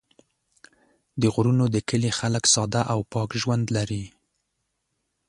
د غرونو د کلي خلک ساده او پاک ژوند لري.